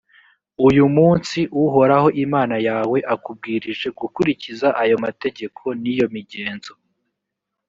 uyu munsi uhoraho imana yawe akubwirije gukurikiza ayo mategeko n’iyo migenzo: